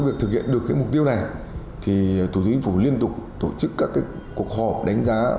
việc thực hiện được mục tiêu này thì thủ tướng chính phủ liên tục tổ chức các cuộc họp đánh giá